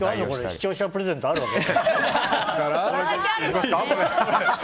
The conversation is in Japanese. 視聴者プレゼントあるわけ？